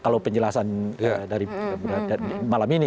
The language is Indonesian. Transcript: kalau penjelasan dari malam ini